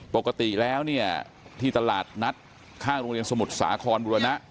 ปกติแล้วเนี่ยที่ตลาดนัดข้างโรงเรียนสมุทรสาครบุรณะ